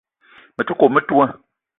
Me te kome metoua